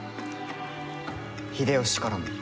秀吉からも。